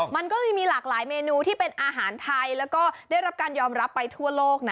มันก็มีหลากหลายเมนูที่เป็นอาหารไทยแล้วก็ได้รับการยอมรับไปทั่วโลกนะ